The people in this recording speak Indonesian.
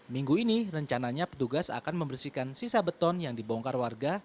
minggu ini rencananya petugas akan membersihkan sisa beton yang dibongkar warga